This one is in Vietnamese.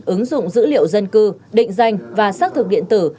ứng dụng dữ liệu dân cư định danh và xác thực điện tử